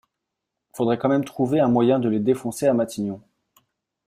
Faudrait quand même trouver un moyen de les défoncer à Matignon.